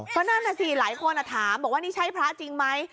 ก็นั่นน่ะสิหลายคนถามบอกว่านี่ใช่พระจริงไหม